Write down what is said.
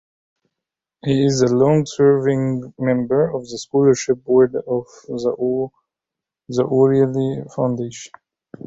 He is a long-serving member of the Scholarship Board of the O'Reilly Foundation.